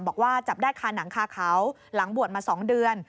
บอกว่าจับได้คาหนังคาเขาหลังบวชมา๒เดือน